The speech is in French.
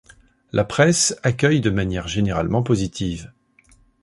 La presse accueille de manière généralement positive.